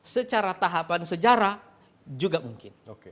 secara tahapan sejarah juga mungkin